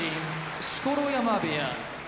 錣山部屋